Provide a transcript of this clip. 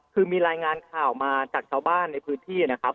คือมีรายงานข่าวมาจากชาวบ้านในพื้นที่นะครับ